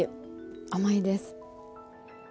甘いです。